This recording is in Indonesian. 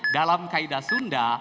dalam kaedah sunda